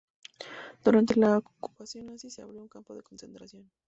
Durante la ocupación nazi, se abrió un campo de concentración.